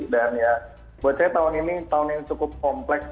dan ya buat saya tahun ini tahun ini cukup kompleks